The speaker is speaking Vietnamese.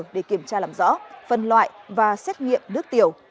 để kiểm tra làm rõ phân loại và xét nghiệm nước tiểu